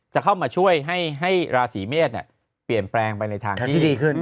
จะเข้ามาช่วยให้ราศีเมษเปลี่ยนแปลงไปในทางที่ดีขึ้น